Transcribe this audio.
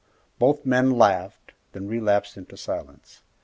Both men laughed, then relapsed into silence.